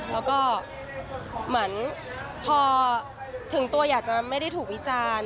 แล้วก็เหมือนพอถึงตัวอยากจะไม่ได้ถูกวิจารณ์